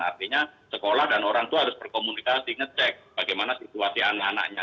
artinya sekolah dan orang itu harus berkomunikasi ngecek bagaimana situasi anak anaknya